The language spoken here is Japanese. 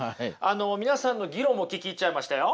皆さんの議論も聞き入っちゃいましたよ。